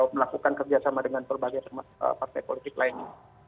melakukan kerjasama dengan berbagai partai politik lainnya